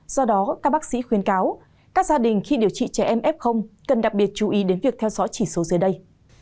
do đó các bác sĩ khuyên cáo các gia đình khi điều trị trẻ em f cần đặc biệt chú ý đến việc theo dõi chỉ số dưới đây